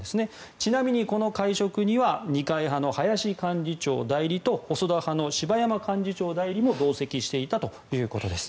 ちなみにこの会食には二階派の林幹事長代理と細田派の柴山幹事長代理も同席していたということです。